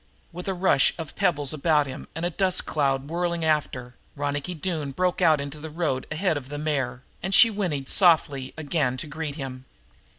With a rush of pebbles about him and a dust cloud whirling after, Ronicky Doone broke out into the road ahead of the mare, and she whinnied softly again to greet him.